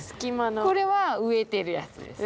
これは植えてるやつです。